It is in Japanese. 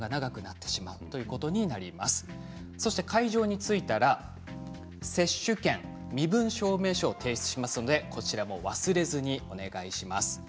そして会場に着いたら接種券身分証明書を提出しますので忘れずにお願いします。